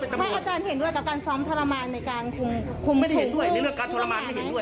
พระอาจารย์เห็นด้วยกับการซ้อมทรมานในการภูมิถูกภูมิหัวของอาธรรมะ